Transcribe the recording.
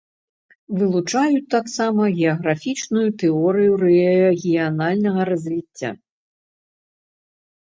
Вылучаюць таксама геаграфічную тэорыю рэгіянальнага развіцця.